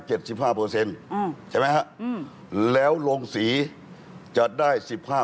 และโรงสถาบันทึกจะได้๑๕